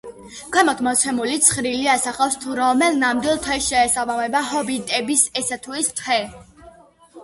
ქვემოთ მოცემული ცხრილი ასახავს, თუ რომელ ნამდვილ თვეს შეესაბამება ჰობიტების ესა თუ ის თვე.